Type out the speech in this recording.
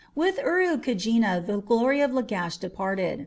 With Urukagina the glory of Lagash departed.